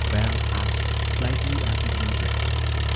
Val asked, slightly apprehensive.